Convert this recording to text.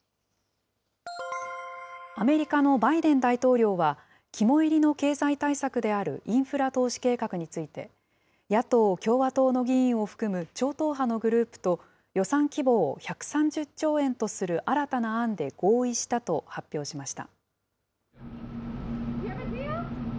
アメリカのバイデン大統領は、肝煎りの経済対策であるインフラ投資計画について、野党・共和党の議員を含む超党派のグループと予算規模を１３０兆円とする新たな案で合意したと発表しました。